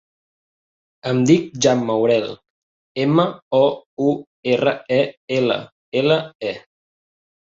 Em dic Jan Mourelle: ema, o, u, erra, e, ela, ela, e.